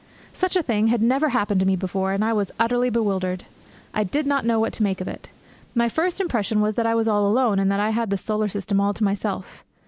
Such a thing had never happened to me before, and I was utterly bewildered. I did not know what to make of it. My first impression was that I was all alone and that I had the solar system all to myself.